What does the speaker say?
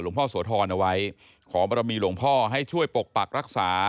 ลุงพ่อสวทรอนเอาไว้ขอบรมีลุงพ่อให้ช่วยปกปักรักษา